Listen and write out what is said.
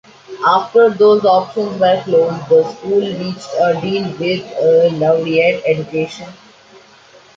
After those options were closed, the school reached a deal with Laureate Education.